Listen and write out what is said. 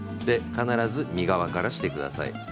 必ず身側からしてください。